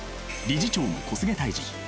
理事長の小菅泰治。